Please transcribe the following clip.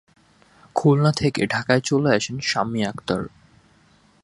খুলনা থেকে ঢাকায় চলে আসেন শাম্মী আখতার।